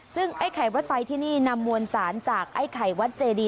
ซึ่งไอ้ไข่วัดไซค์ที่นี่นำมวลสารจากไอ้ไข่วัดเจดี